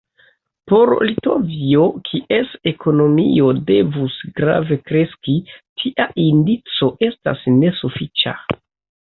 Por Litovio, kies ekonomio devus grave kreski, tia indico estas nesufiĉa.